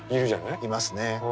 いますね。